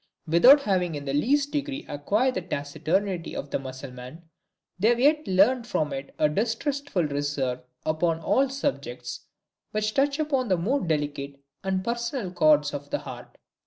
Without having in the least degree acquired the taciturnity of the Mussulman, they have yet learned from it a distrustful reserve upon all subjects which touch upon the more delicate and personal chords of the heart.